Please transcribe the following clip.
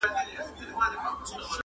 زما ژوندون د ده له لاسه په عذاب دی!